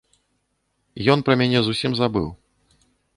Ён пра мяне зусім забыў.